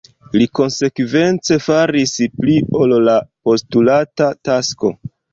Li konsekvence faris pli ol la postulata takso.